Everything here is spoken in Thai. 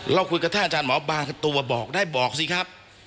เราคุยกับท่านอาจารย์หมอบางตัวบอกได้บอกสิครับ